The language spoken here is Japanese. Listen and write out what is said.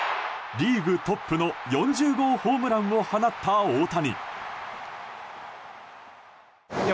リーグトップの４０号ホームランを放った大谷。